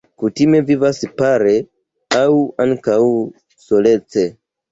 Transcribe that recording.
Kutime vivas pare, aŭ ankaŭ solece.